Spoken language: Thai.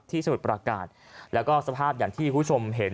สมุทรประการแล้วก็สภาพอย่างที่คุณผู้ชมเห็น